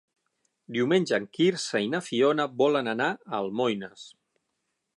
Diumenge en Quirze i na Fiona volen anar a Almoines.